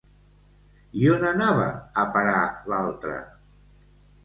I on anava a parar l'altra?